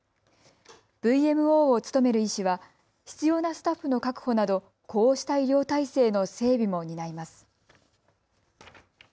ＶＭＯを務める医師は必要なスタッフの確保などこうした医療体制の整備も担います。